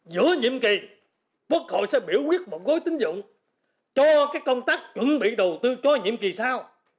giữa nhiệm kỳ quốc hội sẽ biểu quyết một gối tính dụng cho công tác chuẩn bị đầu tư cho nhiệm kỳ sau